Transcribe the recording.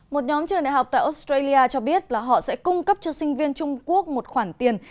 một nhóm trường đại học tại australia cho biết là họ sẽ cung cấp cho sinh viên trung quốc một khoản tiền